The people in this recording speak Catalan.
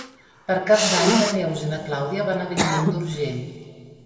Per Cap d'Any na Neus i na Clàudia van a Bellmunt d'Urgell.